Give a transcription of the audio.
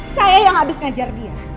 saya yang habis ngajar dia